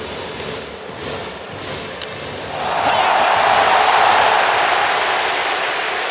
三遊間！